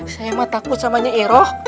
saya mah takut sama nyairoh